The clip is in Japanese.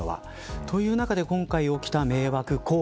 という中で今回、起きた迷惑行為。